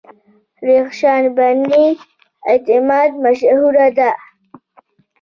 رخشان بني اعتماد مشهوره ده.